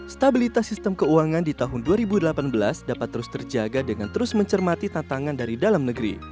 stabilitas sistem keuangan di tahun dua ribu delapan belas dapat terus terjaga dengan terus mencermati tantangan dari dalam negeri